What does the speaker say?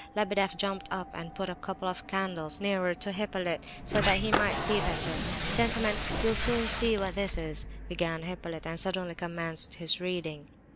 Lebedeff jumped up and put a couple of candles nearer to Hippolyte, so that he might see better. "Gentlemen, this—you'll soon see what this is," began Hippolyte, and suddenly commenced his reading.